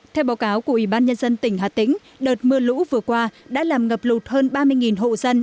theo báo cáo của ủy ban nhân dân tỉnh hà tĩnh đợt mưa lũ vừa qua đã làm ngập lụt hơn ba mươi hộ dân